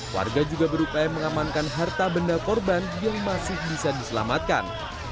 warga juga berupaya mengamankan harta benda korban yang masih bisa diselamatkan